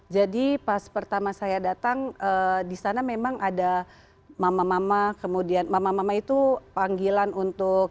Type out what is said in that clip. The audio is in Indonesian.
jadi pas pertama saya datang di sana memang ada mama mama kemudian mama mama itu panggilan untuk